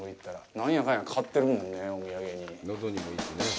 なんやかんや買ってるもんね、お土産に。